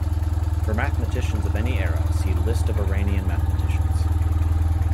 For mathematicians of any era, see List of Iranian mathematicians.